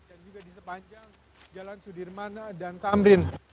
dan juga di sepanjang jalan sudirman dan tamrin